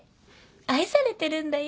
愛されてるんだよ。